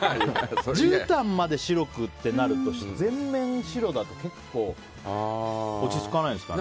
じゅうたんまで白となると全面、白だと結構落ち着かないですかね。